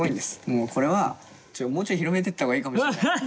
もうこれはもうちょい広めていった方がいいかもしれない。